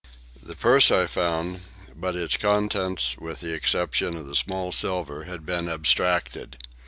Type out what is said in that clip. The purse I found, but its contents, with the exception of the small silver, had been abstracted.